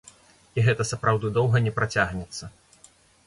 І гэта сапраўды доўга не працягнецца.